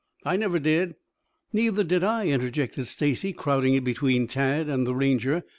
"I never did." "Neither did I," interjected Stacy crowding in between Tad and the Ranger.